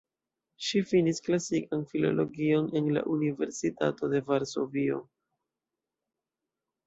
Ŝi finis klasikan filologion en la Universitato de Varsovio.